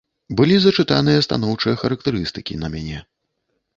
Былі зачытаныя станоўчыя характарыстыкі на мяне.